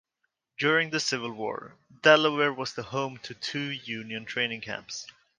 During the Civil War, Delaware was the home to two Union training camps.